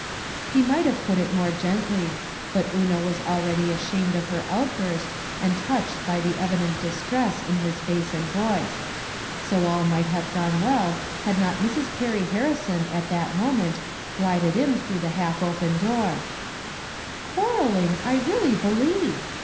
He might have put it more gently. But Una was already ashamed of her outburst and touched by the evident distress in his face and voice. So all might have been well had not Mrs. Perry Harrison at that moment glided in through the half open door. " Quarreling, I really believe